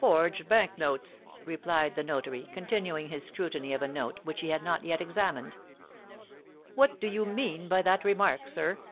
"Forged bank notes," replied the notary, continuing his scrutiny of a note, which he had not yet examined. "What do you mean by that remark, sir?"